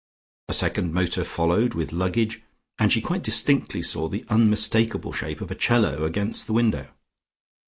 A second motor followed with luggage, and she quite distinctly saw the unmistakable shape of a 'cello against the window.